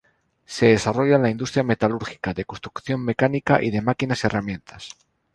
Se desarrolla la industria metalúrgica, de construcción mecánica y de máquinas herramientas.